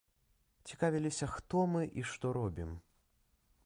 Цікавіліся, хто мы і што робім.